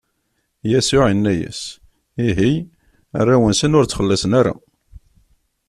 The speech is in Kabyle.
Yasuɛ inna-as: Ihi, arraw-nsen ur ttxelliṣen ara.